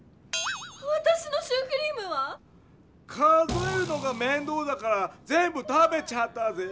わたしのシュークリームは⁉数えるのがめんどうだからぜんぶ食べちゃったぜぇ！